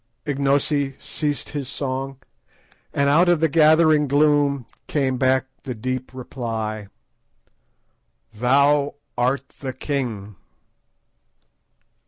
Ignosi ceased his song, and out of the gathering gloom came back the deep reply— "_Thou art the king!